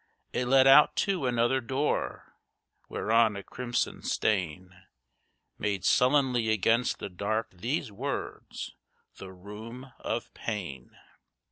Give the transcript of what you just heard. It led out to another door, whereon a crimson stain Made sullenly against the dark these words: "The Room of Pain."